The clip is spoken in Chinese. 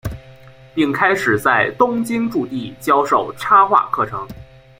并开始在东京筑地教授插画课程。